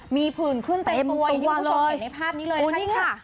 มีผื่นขึ้นเต็มตัวอย่างที่คุณผู้ชมเห็นในภาพนี้เลยนะคะนี่ค่ะ